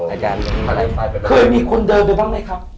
อาจารย์ถ้าเลี้ยวไปไปเคยมีคนเดินไปบ้างไหมครับ